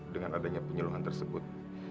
dengan adanya penyuluhan tersebut